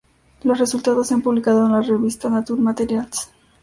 Los resultados se han publicado en la revista "Nature Materials.